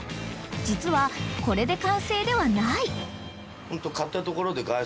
［実はこれで完成ではない］